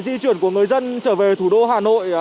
di chuyển của người dân trở về thủ đô hà nội